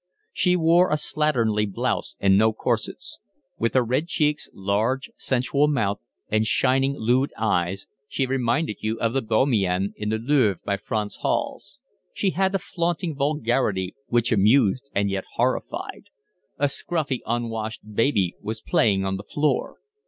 She wore a slatternly blouse and no corsets. With her red cheeks, large sensual mouth, and shining, lewd eyes, she reminded you of the Bohemienne in the Louvre by Franz Hals. She had a flaunting vulgarity which amused and yet horrified. A scrubby, unwashed baby was playing on the floor.